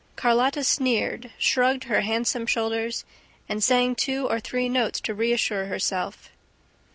Carlotta sneered, shrugged her handsome shoulders and sang two or three notes to reassure herself.